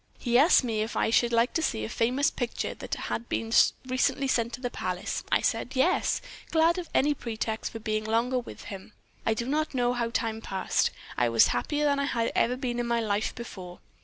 He asked me if I should like to see a famous picture that had been recently sent to the palace. I said 'Yes,' glad of any pretext for being longer with him. I do not know how time passed. I was happier than I had ever been in my life before.